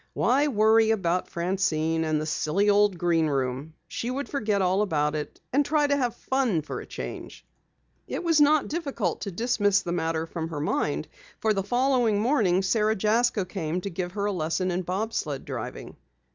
Why worry about Francine and the silly old Green Room? She would forget all about it and try to have fun for a change. It was not difficult to dismiss the matter from her mind, for the following morning Sara Jasko came to give her a lesson in bob sled driving.